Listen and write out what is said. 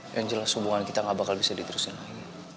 yang jelas hubungan kita gak bakal bisa diterusin lagi